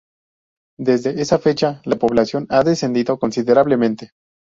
Desde esa fecha, la población ha descendido considerablemente.